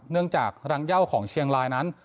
จากรังเย่าของเชียงรายนั้น